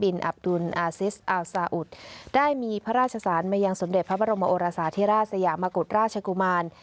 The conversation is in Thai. อับดุลอาซิสอัลซาอุดได้มีพระราชสารมายังสมเด็จพระบรมโอรสาธิราชสยามกุฎราชกุมาร